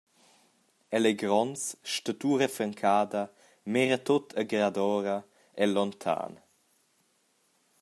El ei gronds, statura francada, mira tut agradora, el lontan.